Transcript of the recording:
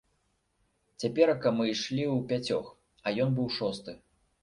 Цяперака мы ішлі ўпяцёх, а ён быў шосты.